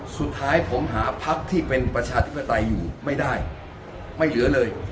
สุดท้ายผมหาพักที่เป็นประชาธิปไตยอยู่ไม่ได้ไม่เหลือเลย